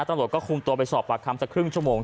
ตำรวจก็คุมตัวไปสอบปากคำสักครึ่งชั่วโมง